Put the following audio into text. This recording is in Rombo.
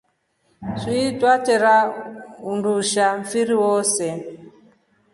Swee twerara undusha mfiri sose.